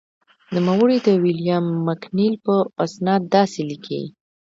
نوموړی د ویلیام مکنیل په استناد داسې لیکي.